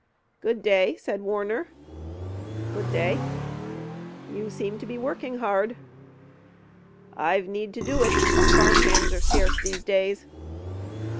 "Good day," said Warner. "Good day." "You seem to be working hard." "I've need to do it. Farm hands are scarce these days."